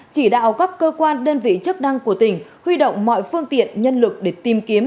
chỉ đạo các cơ quan đơn vị chức năng của tỉnh huy động mọi phương tiện nhân lực để tìm kiếm